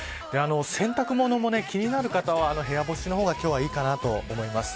洗濯物も気になる方は部屋干しの方が今日はいいかなと思います。